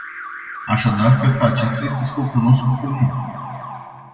Așadar, cred că acesta este scopul nostru comun.